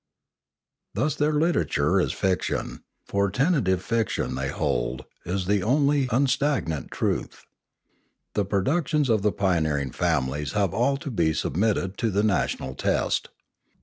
Thus their literature is fiction; for tentative fiction, they hold, is the only unstagnant truth. The produc tions of the pioneering families have all to be submitted to the national test.